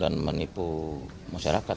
dan menipu masyarakat